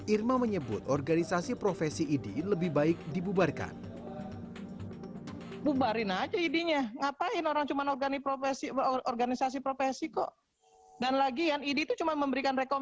irma menyebut organisasi profesi idi lebih baik dibubarkan